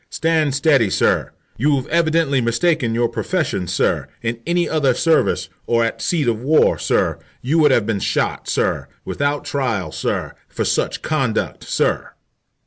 Stand steady, sir. You've evidently mistaken your profession, sir. In any other service, or at the seat of war, sir, you would have been shot, sir, without trial, sir, for such conduct, sir."